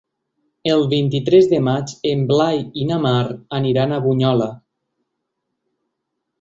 El vint-i-tres de maig en Blai i na Mar aniran a Bunyola.